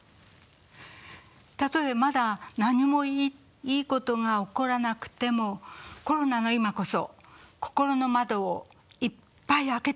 たとえまだ何もいいことが起こらなくてもコロナの今こそ心の窓をいっぱいあけてみましょう。